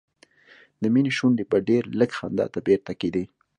د مينې شونډې به ډېر لږ خندا ته بیرته کېدې